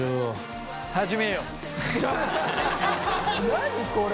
何これ？